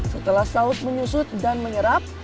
setelah saus menyusut dan menyerap